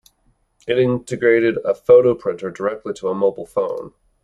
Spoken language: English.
It integrated a photo printer directly to a mobile phone.